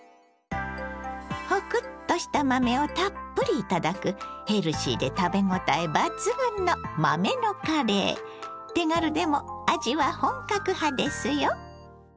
ホクッとした豆をたっぷり頂くヘルシーで食べごたえ抜群の手軽でも味は本格派ですよ。